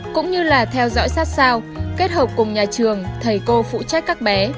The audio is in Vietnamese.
cũng như là theo dõi sát sao kết hợp cùng nhà trường thầy cô phụ trách các bé